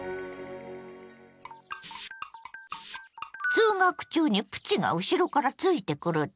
通学中にプチが後ろからついてくるって？